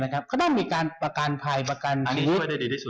ก็ต้องมีประกันภัยประกันชีวิต